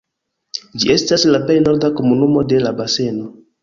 Ĝi estas la plej norda komunumo de la baseno.